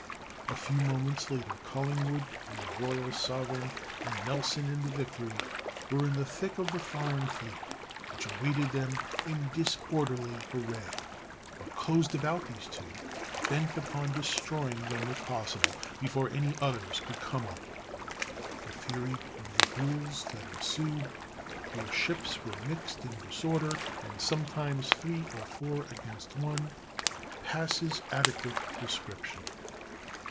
A few moments later Collingwood in the Royal Sovereign, and Nelson in the Victory, were in the thick of the foreign fleet, which awaited them in disorderly array, but closed about these two, bent upon destroying them if possible before any others could come up. The fury of the duels that ensued, where ships were mixed in disorder, and sometimes three or four against one, passes adequate description.